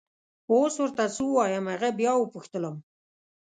اوس ور ته څه ووایم! هغه بیا وپوښتلم.